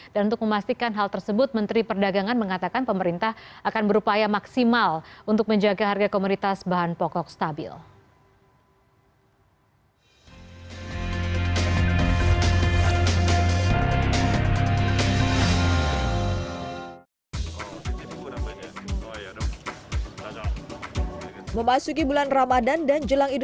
dan untuk memastikan hal tersebut menteri perdagangan mengatakan pemerintah akan berupaya maksimal untuk menjaga harga komoditas bahan pokok stabil